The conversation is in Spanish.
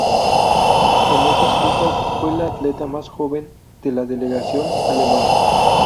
En esas justas fue la atleta más joven de la delegación alemana.